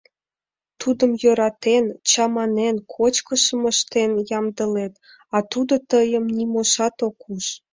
Тудым, йӧратен, чаманен, кочкышым ыштен ямдылет, а тудо тыйым нимошат ок уж...